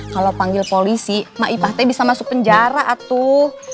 kalo panggil polisi maipatnya bisa masuk penjara atuh